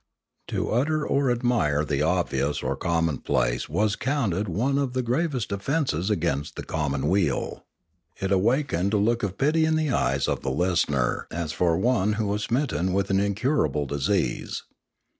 To utter or admire the obvious or commonplace was counted one of the gravest offences against the commonweal ; it awakened a look of pity in the eyes of the listener as for one who was smitten with an incura ble disease.